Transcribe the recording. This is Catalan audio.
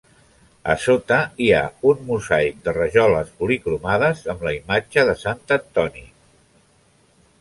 A sota hi ha un mosaic de rajoles policromades amb la imatge de Sant Antoni.